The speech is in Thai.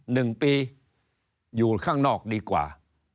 หนึ่งปีอยู่ข้างนอกดีกว่า